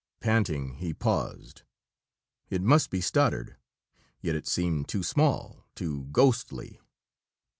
Panting, he paused. It must be Stoddard! Yet it seemed too small, too ghostly.